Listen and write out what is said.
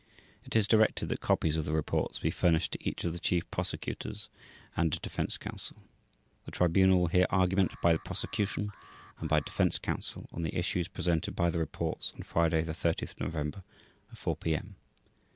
It is directed that copies of the reports be furnished to each of the Chief Prosecutors and to Defense Counsel. The Tribunal will hear argument by the Prosecution and by Defense Counsel on the issues presented by the reports on Friday, 30 November at 4 P.M.